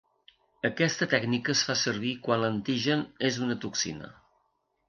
Aquesta tècnica es fa servir quan l'antigen és una toxina.